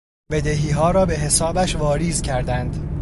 بدهیها را به حسابش واریز کردند.